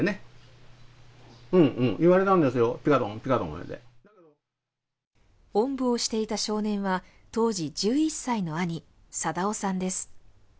おんぶをしていた少年は、当時１１歳の兄、定男さんです。